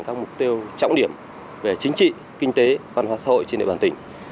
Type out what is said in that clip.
các mục tiêu trọng điểm về chính trị kinh tế văn hóa xã hội trên địa bàn tỉnh